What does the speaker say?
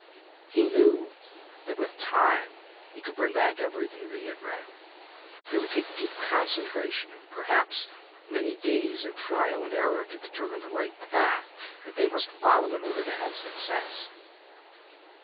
He knew that with time he could bring back everything that he had read, but it would take deep concentration and, perhaps, many days of trial and error to determine the right path that they must follow in order to have success.